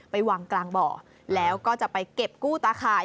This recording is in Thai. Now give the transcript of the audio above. ไปวางกลางบ่อแล้วก็จะไปเก็บกู้ตาข่าย